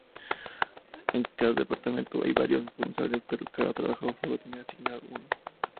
En cada departamento hay varios responsables, pero cada trabajador sólo tiene asignado uno.